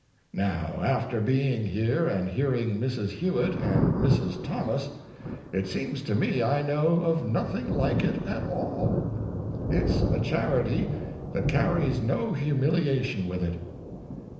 Now, after being here and hearing Mrs. Hewitt and Mrs. Thomas, it seems to me I know of nothing like it at all. It's a charity that carries no humiliation with it.